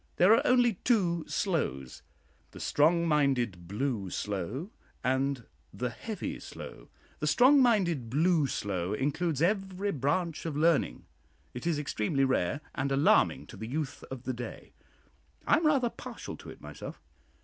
There are only two slows the "strong minded blue slow," and the "heavy slow." The "strong minded blue slow" includes every branch of learning. It is extremely rare, and alarming to the youth of the day. I am rather partial to it myself.